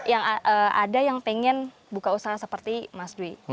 yang ada yang pengen buka usaha seperti mas dwi